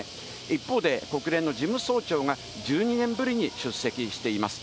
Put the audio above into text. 一方で、国連の事務総長が１２年ぶりに出席しています。